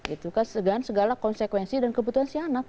itu kan segala konsekuensi dan kebutuhan si anak